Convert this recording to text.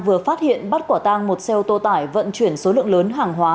vừa phát hiện bắt quả tang một xe ô tô tải vận chuyển số lượng lớn hàng hóa